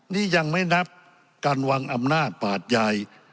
นี่ยังไม่นับการวางอำนาจปาดใหญ่